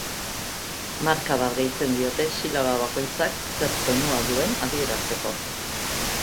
Marka bat gehitzen diote silaba bakoitzak zer tonua duen adierazteko.